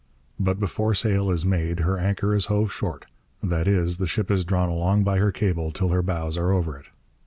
But before sail is made her anchor is hove short, that is, the ship is drawn along by her cable till her bows are over it.